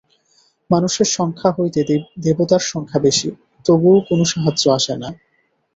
মানুষের সংখ্যা হইতে দেবতার সংখ্যা বেশী, তবুও কোন সাহায্য আসে না।